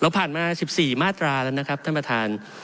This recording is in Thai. ผ่านมา๑๔มาตราแล้วนะครับท่านประธาน